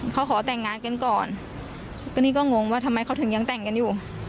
เขาขอแต่งงานกันก่อนก็นี่ก็งงว่าทำไมเขาถึงยังแต่งกันอยู่